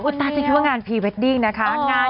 ตาจะคิดว่างานพรีเวดดิ้งนะคะ